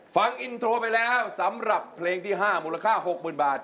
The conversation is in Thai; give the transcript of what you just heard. ฟังอินโทรไปแล้วสำหรับเพลงที่๕มูลค่า๖๐๐๐บาท